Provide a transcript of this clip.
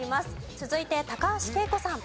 続いて高橋惠子さん。